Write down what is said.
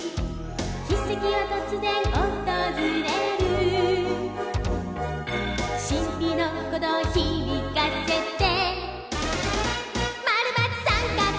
「奇跡はとつぜんおとずれる」「しんぴのこどうひびかせて」「○×△」